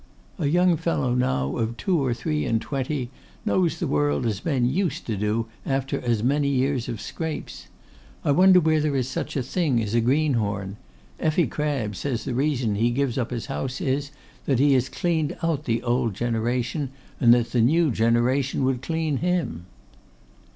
A young fellow now of two or three and twenty knows the world as men used to do after as many years of scrapes. I wonder where there is such a thing as a greenhorn. Effie Crabbs says the reason he gives up his house is, that he has cleaned out the old generation, and that the new generation would clean him.